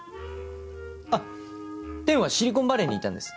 あってんはシリコンバレーにいたんです。